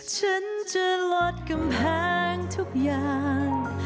ฉันจะลดกำแพงทุกอย่าง